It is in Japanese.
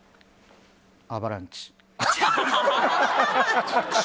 「アバランチ」。